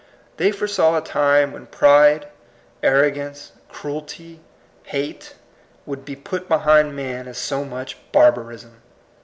They foresaw a time when pride, arrogance, cruelty, hate, would be put behind man as so much barbarism.